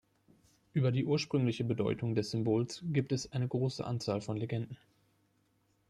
Über die „ursprüngliche“ Bedeutung des Symbols gibt es eine große Anzahl von Legenden.